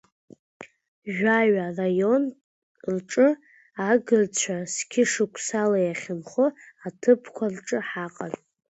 Жәаҩа раион рҿы, агырцәа зқьышықәсала иахьынхо аҭыԥқәа рҿы ҳаҟан.